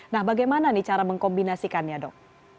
nah bagaimana nih cara mengkombinasikannya dok